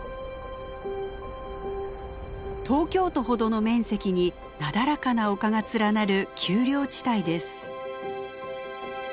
東京都ほどの面積になだらかな丘が連なる丘陵地帯です。